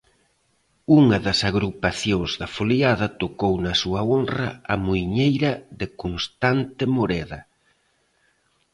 Unha das agrupacións da Foliada tocou na súa honra a 'Muiñeira de Constante Moreda'.